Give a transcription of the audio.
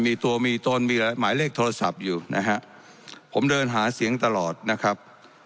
มีตัวมีตนมีหมายเลขโทรศัพท์อยู่นะฮะผมเดินหาเสียงตลอดนะครับ